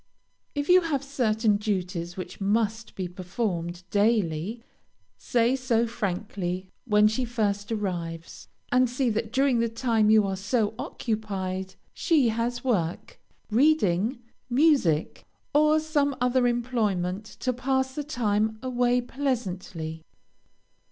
If you have certain duties which must be performed daily, say so frankly when she first arrives, and see that during the time you are so occupied she has work, reading, music, or some other employment, to pass the time away pleasantly.